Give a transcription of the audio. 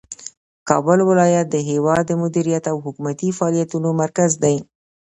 کابل ولایت د هیواد د مدیریت او حکومتي فعالیتونو مرکز دی.